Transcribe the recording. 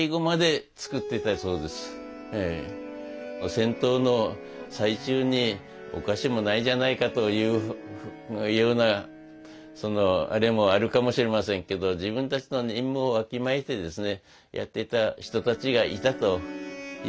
戦闘の最中にお菓子もないじゃないかというようなあれもあるかもしれませんけど語り伝えてもらいたいですね。